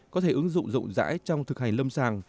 có thể ứng dụng rộng rãi trong thực hành lâm sàng